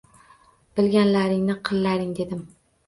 Bilganlaringni qillaring dedim.